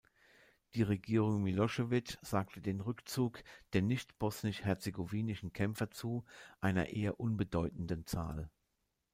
Die Regierung Milošević sagte den Rückzug der nicht-bosnisch-herzegowinischen Kämpfer zu, einer eher unbedeutenden Zahl.